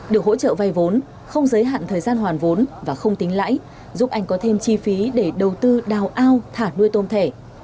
được hỗ trợ vay vốn không giới hạn thời gian hoàn vốn và không tính lãi giúp anh có thêm chi phí để đầu tư đào ao thả nuôi tôm thẻ